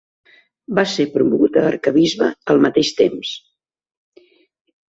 Va ser promogut a arquebisbe al mateix temps.